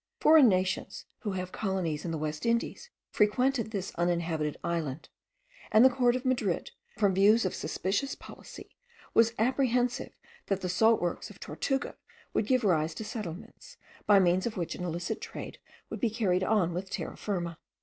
Foreign nations who have colonies in the West Indies frequented this uninhabited island; and the court of Madrid, from views of suspicious policy, was apprehensive that the salt works of Tortuga would give rise to settlements, by means of which an illicit trade would be carried on with Terra Firma.